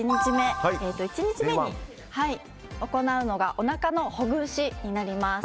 １日目に行うのがおなかのほぐしになります。